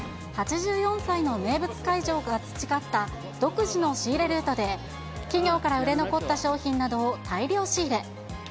８４歳の名物会長が培った独自の仕入れルートで、企業から売れ残った商品などを大量仕入れ。